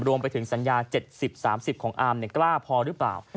รวมไปถึงสัญญา๗๐๓๐ของอาร์มกล้าพอหรือเปล่า